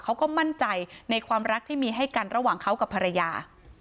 เขาก็มั่นใจในความรักที่มีให้กันระหว่างเขากับภรรยา